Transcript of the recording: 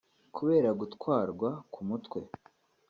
kubera gutwarwa ku mutwe